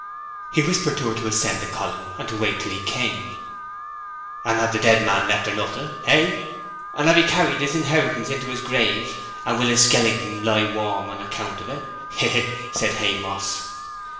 He whispered to her to ascend the column and wait till he came. 'And have the dead man left her nothing? Hey? And have he carried his inheritance into's grave? And will his skeleton lie warm on account o't? Hee hee!' said Haymoss.